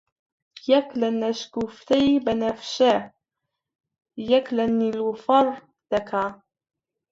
یەک لە نەشگوفتەی بەنەفشە، یەک لە نەیلۆفەڕ دەکا